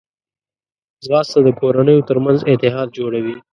ځغاسته د کورنیو ترمنځ اتحاد جوړوي